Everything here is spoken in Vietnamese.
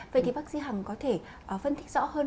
vậy thì bác sĩ hằng có thể phân tích rõ hơn